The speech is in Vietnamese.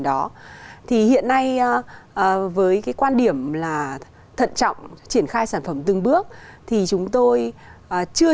đó thì hiện nay với cái quan điểm là thận trọng triển khai sản phẩm từng bước thì chúng tôi chưa